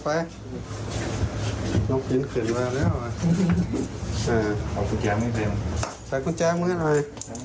ใส่กุญแจไม่เป็นอะไร